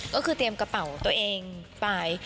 ก็คือเตรียมกระเป๋าตัวเองไป